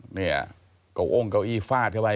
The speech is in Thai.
เนี่ยเก่าอ้งเก้าอี้ฟาดเข้าไป